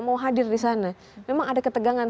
mau hadir disana memang ada ketegangan